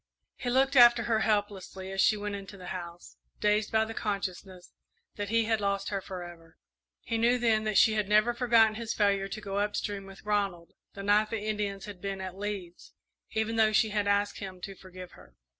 He looked after her helplessly as she went into the house, dazed by the consciousness that he had lost her forever. He knew then that she had never forgotten his failure to go up stream with Ronald the night the Indians had been at Lee's, even though she had asked him to forgive her.